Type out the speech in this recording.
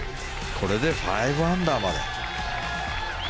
これで５アンダーまで。